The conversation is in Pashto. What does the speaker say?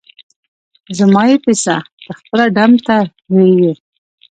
زما یی په څه؟ ته خپله ډم ته لویږي.